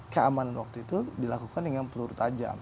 keamanan waktu itu dilakukan dengan peluru tajam